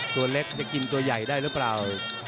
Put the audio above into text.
ตัวเล็กจะกินตัวใหญ่ได้หรือเปล่า